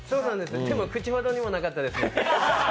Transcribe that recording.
でも口ほどにもなかったです。